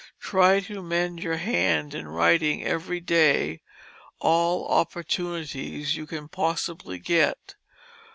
Try to mend your hand in wrighting every day all Opportunities you can possibly get.